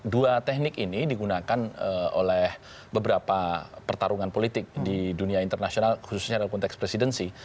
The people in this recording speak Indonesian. dua teknik ini digunakan oleh beberapa pertarungan politik di dunia internasional khususnya dalam konteks presidensi